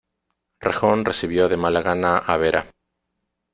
Rejón recibió de mala gana a Vera.